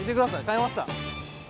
買えました！